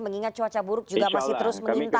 mengingat cuaca buruk juga masih terus mengintai